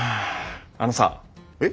あのさえっ？